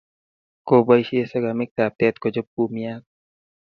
Kopaishe segemik taptet kochop kumiat